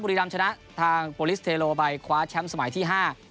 บุรีรำชนะทางโปรลิสเทโลไปคว้าแชมป์สมัยที่ห้า